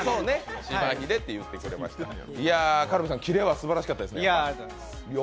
カルビさん、キレはすばらしかったですね。